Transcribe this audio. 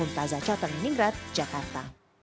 bumtaza chatham leningrad jakarta